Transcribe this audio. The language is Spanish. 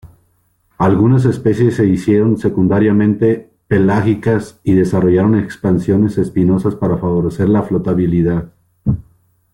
Algunas especies se hicieron secundariamente pelágicas y desarrollaron expansiones espinosas para favorecer la flotabilidad.